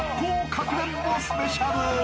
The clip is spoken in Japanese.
かくれんぼスペシャル］